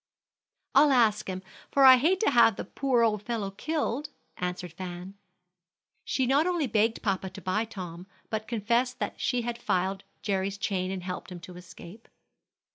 "I'll ask him, for I hate to have the poor old fellow killed," answered Fan. She not only begged papa to buy Tom, but confessed that she filed Jerry's chain and helped him to escape.